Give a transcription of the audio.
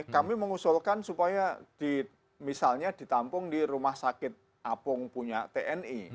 kami mengusulkan supaya misalnya ditampung di rumah sakit apung punya tni